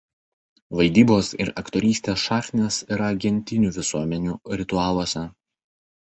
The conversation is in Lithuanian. Vaidybos ir aktorystės šaknys yra gentinių visuomenių ritualuose.